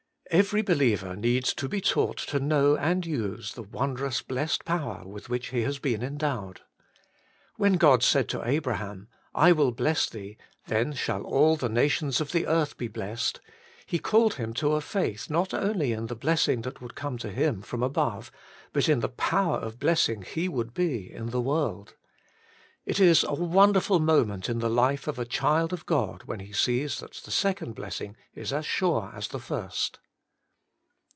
Every beHever needs to be taught to know and 144 Working for God use the wondrous blessed power with which he has been endowed. When God said to Abraham :' I will bless thee, then shall all the nations of the earth be blessed,' He called him to a faith not only in the blessing that would come to him from above, but in the power of blessing he would be in the world. It is a wonderful moment in the life of a child of God when he sees that the second blessing is as sure as the first.